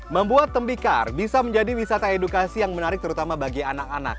membuat tembikar bisa menjadi wisata edukasi yang menarik terutama bagi anak anak